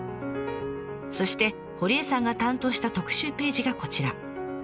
そして堀江さんが担当した特集ページがこちら。